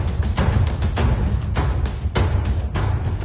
แต่ก็ไม่รู้ว่าจะมีใครอยู่ข้างหลัง